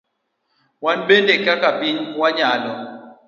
Wan bende kaka piny wanyalo.